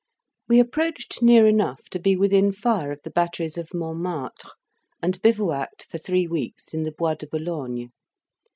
We approached near enough to be within fire of the batteries of Montmartre, and bivouacked for three weeks in the Bois de Boulogne.